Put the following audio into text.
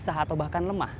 sehingga riau berpengalaman